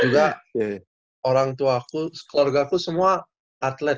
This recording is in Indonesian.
juga orangtuaku keluarga aku semua atlet